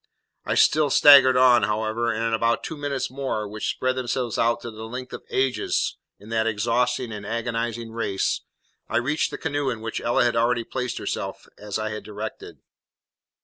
I still staggered on, however, and, in about two minutes more, which spread themselves out to the length of ages in that exhausting and agonising race, I reached the canoe in which Ella had already placed herself as I had directed.